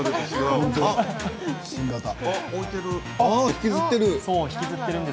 引きずってる。